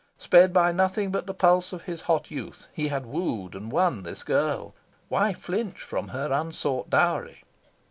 Sped by nothing but the pulse of his hot youth, he had wooed and won this girl. Why flinch from her unsought dowry?